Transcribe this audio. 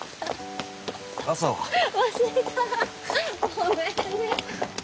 ごめんね。